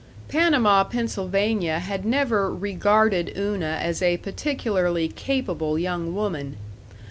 Panama, Pennsylvania, had never regarded Una as a particularly capable young woman.